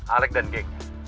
alex dan gengnya